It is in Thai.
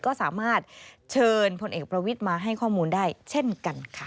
ก็สามารถเชิญพลเอกประวิทย์มาให้ข้อมูลได้เช่นกันค่ะ